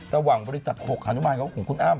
ระหว่างบริษัท๖ฮของคุณอ้าม